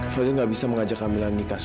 fadil gak bisa mengajak kamila nikah